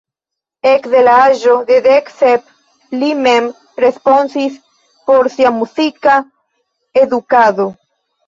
Ekde la aĝo de dek sep li mem responsis por sia muzika edukado.